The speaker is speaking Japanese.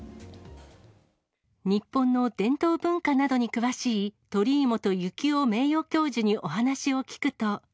日本の伝統文化などに詳しい鳥居本幸代名誉教授にお話を聞くと。